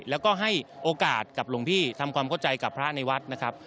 แล้วก็ให้โอกาสกับหลวงพี่ทำความเข้าใจกับพระในวัดนะครับ